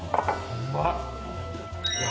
うまっ。